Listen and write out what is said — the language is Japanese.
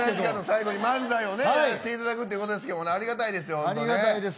最後に漫才をやらしていただくということですけどありがたいですよ。